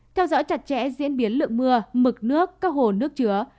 theo dõi chặt chẽ diễn biến lượng mưa mực nước các hồ nước chứa